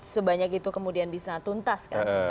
sebanyak itu kemudian bisa tuntas kan